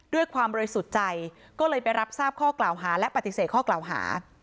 ด้วยความบริสุทธิ์ใจก็เลยไปรับทราบข้อกล่าวหาและปฏิเสธข้อกล่าวหา